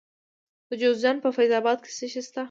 د جوزجان په فیض اباد کې څه شی شته؟